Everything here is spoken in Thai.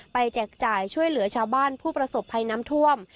แจกจ่ายช่วยเหลือชาวบ้านผู้ประสบภัยน้ำท่วม